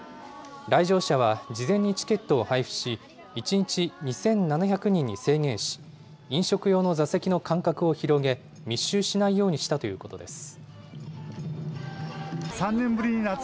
来場者は事前にチケットを配布し１日２７００人に制限し飲食用の座席の間隔を広げ密集しないようにしたということです。